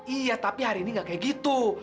iya tapi hari ini gak kayak gitu